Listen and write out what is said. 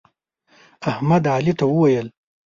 احمد علي ته وویل: